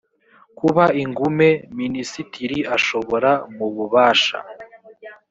kuba ingume minisitiri ashobora mu bubasha